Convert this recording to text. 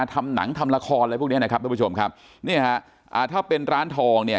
ทำหนังทำละครอะไรพวกเนี้ยนะครับทุกผู้ชมครับเนี่ยฮะอ่าถ้าเป็นร้านทองเนี่ย